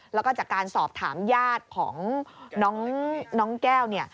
แล้วก็จากการสอบถามญาติของน้องแก้วเนี่ย